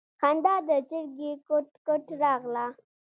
خندا د چرگې کوټ کوټ راغله.